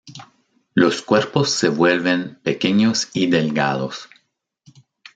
Los cuerpos se vuelven pequeños y delgados.